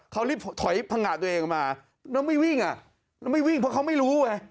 เขารีบถอยพังงะตัวเองออกมาแล้วไม่วิ่งอ่ะแล้วไม่วิ่งเพราะเขาไม่รู้ไง